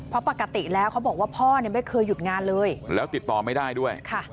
เพราะปกติแล้วเขาบอกว่าพ่อเนี่ยไม่เคยหยุดงานเลยแล้วติดต่อไม่ได้ด้วย